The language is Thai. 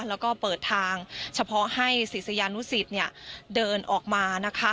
แล้วก็เปิดทางเฉพาะให้ศิษยานุสิตเดินออกมานะคะ